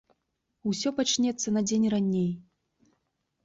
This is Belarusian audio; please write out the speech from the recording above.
Усё пачнецца на дзень раней.